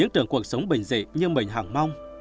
trong cuộc sống bình dị như mình hẳng mong